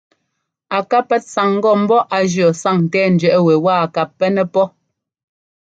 A ká pɛ́t sáŋ ŋgɔ ḿbɔ́ á jʉɔ́ sáŋńtɛ́ɛńdẅɛꞌ wɛ waa ka pɛ́nɛ́ pɔ́.